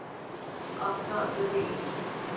Aptalca değil.